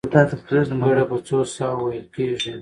ګړه په څو ساه وو وېل کېږي؟